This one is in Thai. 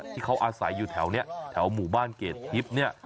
ที่เขาอาศัยอยู่แถวนี้แถวหมู่บ้านเกรดทิพย์เนี่ย